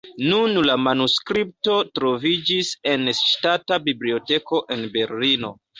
Nun la manuskripto troviĝis en Ŝtata Biblioteko en Berlino.